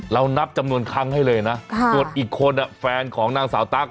นับจำนวนครั้งให้เลยนะส่วนอีกคนแฟนของนางสาวตั๊ก